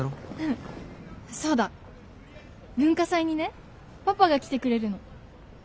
そうだ文化祭にねパパが来てくれるの。